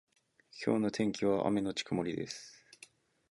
今日の天気は雨のち曇りです。